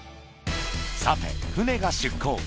さて、船が出港。